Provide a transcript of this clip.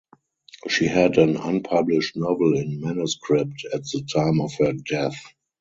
She had an unpublished novel in manuscript at the time of her death.